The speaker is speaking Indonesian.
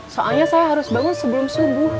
soalnya saya harus bangun sebelum subuh